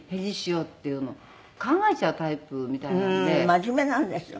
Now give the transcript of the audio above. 真面目なんでしょ。